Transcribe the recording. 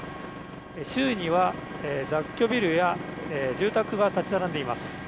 周囲には雑居ビルや住宅が立ち並んでいます。